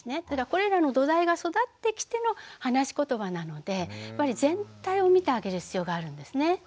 ただこれらの土台が育ってきての話しことばなのでやっぱり全体を見てあげる必要があるんですね。